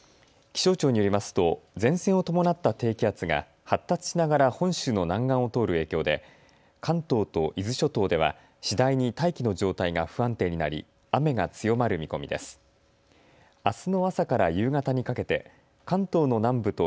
気象庁によりますと前線を伴った低気圧が発達しながら本州の南岸を通る影響で関東と伊豆諸島では次第に大気の状態が不安定になり雨が強まる見込みです。